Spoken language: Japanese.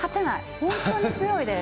本当に強いです。